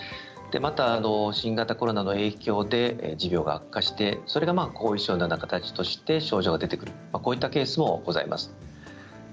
また新型コロナの影響で持病が悪化してそれが後遺症のような形として症状が出てくる、こういったケースもございます。